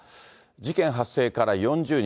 事件発生から４０日。